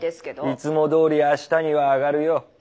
いつもどおりあしたには上がるよ。